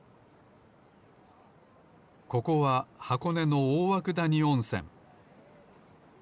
ここははこねのおおわくだにおんせん。